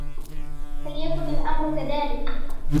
فليكن الأمر كذلك!